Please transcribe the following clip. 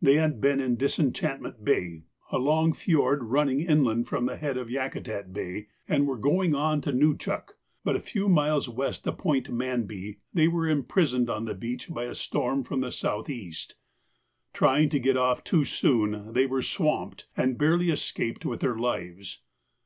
They had been up in Disenchantment Bay, a long fiord running inland from the head of Yakutat Bay, and were going on to Nuchuk, but a few miles west of Point Manby they were imprisoned on the beach by a storm from the south east. Trying to get off too soon, they were swamped, and barely escaped with their lives.